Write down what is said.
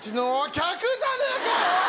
客じゃねえか‼おい‼